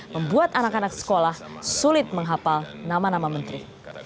membuat anak anak sekolah sulit menghapal nama nama menteri